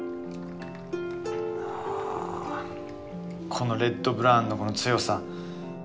このレッドブラウンのこの強さ！